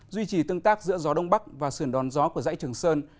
duy trì tương tác giữa gió đông bắc và sườn đòn gió của dãy trường sơn